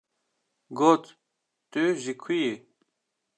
Got: ‘’ Tu ji ku yî? ‘’